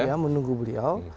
ya menunggu beliau